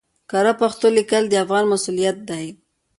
کره پښتو ليکل د افغان مسؤليت دی